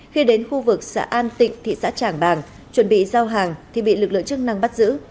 khi đến khu vực xã an tịnh thị xã trảng bàng chuẩn bị giao hàng thì bị lực lượng chức năng bắt giữ